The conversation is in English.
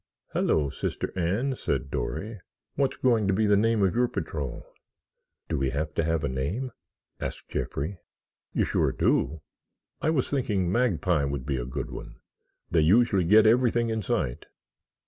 "Hello, Sister Anne," said Dory. "What's going to be the name of your patrol?" "Do we have to have a name?" asked Jeffrey. "You sure do. I was thinking 'magpie' would be a good one. They usually get everything in sight."